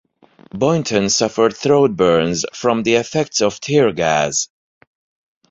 Boynton suffered throat burns from the effects of tear gas.